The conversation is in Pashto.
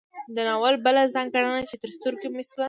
د ناول بله ځانګړنه چې تر سترګو مې شوه